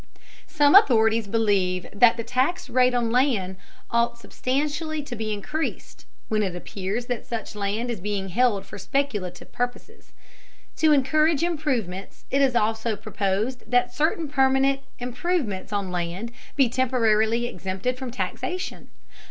Some authorities believe that the tax rate on land ought substantially to be increased, when it appears that such land is being held for speculative purposes. To encourage improvements, it is also proposed that certain permanent improvements on land be temporarily exempted from taxation.